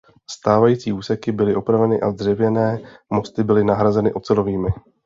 Stávající úseky byly opraveny a dřevěné mosty byly nahrazeny ocelovými.